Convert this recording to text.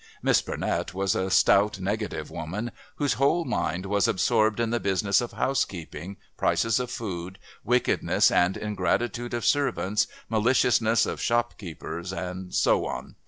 Miss Burnett was a stout negative woman, whose whole mind was absorbed in the business of housekeeping, prices of food, wickedness and ingratitude of servants, maliciousness of shopkeepers and so on.